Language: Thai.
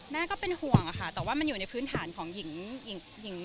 ก็เป็นห่วงค่ะแต่ว่ามันอยู่ในพื้นฐานของหญิงหญิง